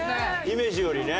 イメージよりね。